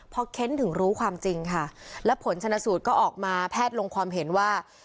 พอเค้นถึงรู้ความจริงค่ะแล้วผลชนะสูตรก็ออกมาแพทย์ลงความเห็นว่า